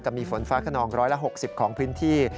กับมีฝนฟ้ากระนองร้อยละ๖๐ของพื้นที่